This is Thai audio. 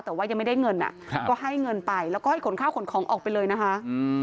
แต่ว่ายังไม่ได้เงินอ่ะครับก็ให้เงินไปแล้วก็ให้ขนข้าวขนของออกไปเลยนะคะอืม